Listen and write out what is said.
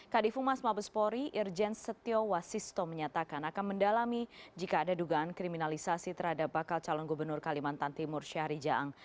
kadifu mas mabespori irjen setio wasisto menyatakan akan mendalami jika ada dugaan kriminalisasi terhadap bakal calon gubernur kalimantan timur syahri jaang